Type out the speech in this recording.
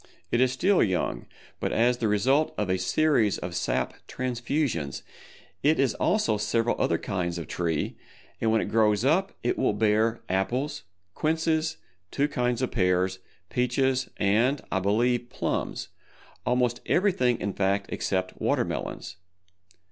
It is still young, but as the result of a series of sap transfusions it is also several other kinds of tree, and when it grows up it will bear apples, quinces, two kinds of pears, peaches and, I believe, plums—almost everything in fact except Water Melons.